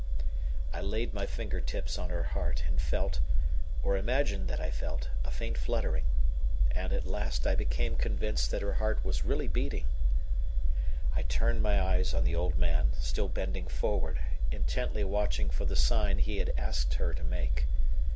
I laid my finger tips on her heart and felt, or imagined that I felt, a faint fluttering; and at last I became convinced that her heart was really beating. I turned my eyes on the old man, still bending forward, intently watching for the sign he had asked her to make.